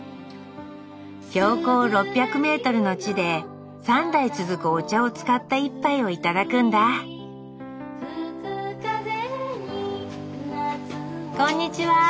標高６００ｍの地で３代続くお茶を使った一杯を頂くんだこんにちは！